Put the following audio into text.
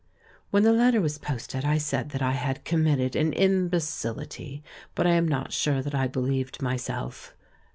When the letter was posted, I said that I had committed an imbecility, but I am not sure that I believed myself.